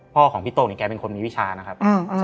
พ่อของพี่โต้นี่แกเป็นคนมีวิชานะครับ